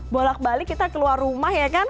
bolak balik kita keluar rumah ya kan